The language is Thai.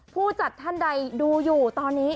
ผู้จัดท่านใดดูอยู่ตอนนี้